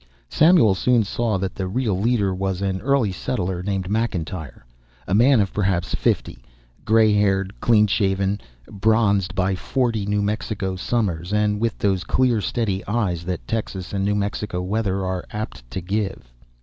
Samuel soon saw that the real leader was an early settler named McIntyre, a man of perhaps fifty, gray haired, clean shaven, bronzed by forty New Mexico summers, and with those clear steady eye that Texas and New Mexico weather are apt to give.